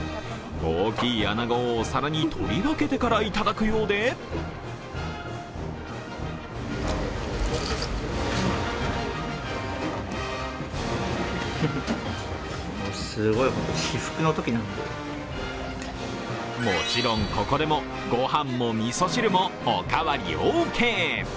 大きい穴子をお皿に取り分けてからいただくようでもちろんここでもご飯もみそ汁もおかわりオーケー。